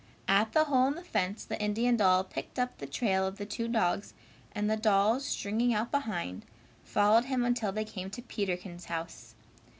At the hole in the fence the Indian doll picked up the trail of the two dogs, and the dolls, stringing out behind, followed him until they came to Peterkins' house.